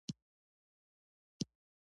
ځینې خلک مالګه له لیمو سره خوري.